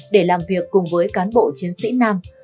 để làm việc cùng với cán bộ chiến sĩ nam